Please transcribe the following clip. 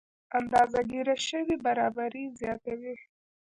اندازه ګیره شوې برابري زیاتوي.